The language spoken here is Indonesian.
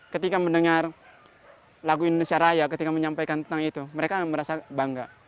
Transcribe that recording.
ketika mendengar lagu indonesia raya ketika menyampaikan tentang itu mereka merasa bangga